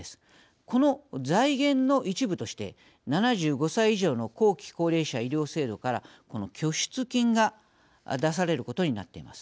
この財源の一部として７５歳以上の後期高齢者医療制度からこの拠出金が出されることになっています。